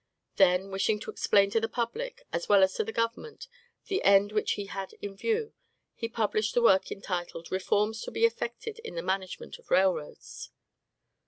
Then, wishing to explain to the public, as well as to the government, the end which he had in view, he published the work entitled "Reforms to be Effected in the Management of Railroads."